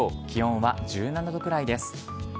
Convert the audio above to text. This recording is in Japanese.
気温は１７度くらいです。